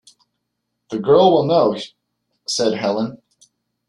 "The girl will know," said Helene.